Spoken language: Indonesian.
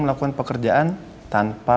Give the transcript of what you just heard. melakukan pekerjaan tanpa